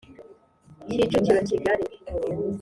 Kicukiro kigali